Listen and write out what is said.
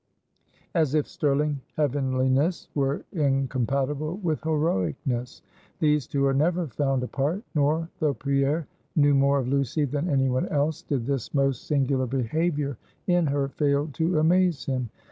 As if sterling heavenliness were incompatible with heroicness. These two are never found apart. Nor, though Pierre knew more of Lucy than any one else, did this most singular behavior in her fail to amaze him.